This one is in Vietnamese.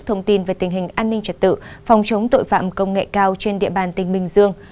thông tin về tình hình an ninh trật tự phòng chống tội phạm công nghệ cao trên địa bàn tỉnh bình dương